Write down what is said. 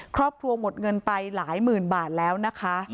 ครอบครัวหมดเงินไปหลายหมื่นบาทแล้วนะคะ